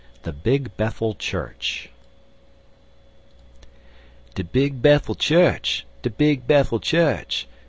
THE BIG BETHEL CHURCH DE Big Bethel chu'ch! de Big Bethel chu'ch!